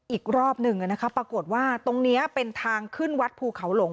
อีกรอบหนึ่งปรากฏว่าตรงนี้เป็นทางขึ้นวัดภูเขาหลง